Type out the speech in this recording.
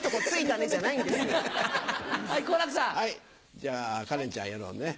じゃカレンちゃんやろうね。